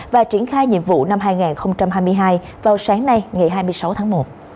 và triển khai nhiệm vụ năm hai nghìn hai mươi hai vào sáng nay ngày hai mươi tháng bốn